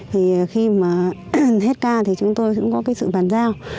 thì khi mà hết ca thì chúng tôi cũng có cái sự bàn giao